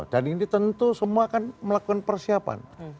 dan ini tentu semua akan melakukan persiapan